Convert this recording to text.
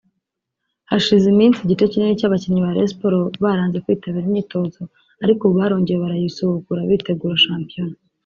Hashize iminsi igice kinini cy’abakinnyi ba Rayon Sport baranze kwitabira imyitozo ariko ubu barongeye barayisubukura bitegura shampiyona